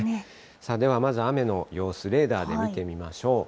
ではまず雨の様子、レーダーで見てみましょう。